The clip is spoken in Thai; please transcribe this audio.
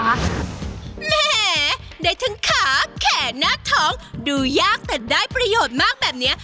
แหมได้ทั้งขาแขนหน้าท้องดูยากแต่ได้ประโยชน์มากแบบนี้